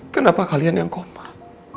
kenapa kalian yang komat